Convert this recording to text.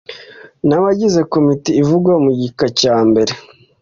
n abagize Komite ivugwa mu gika cya mbere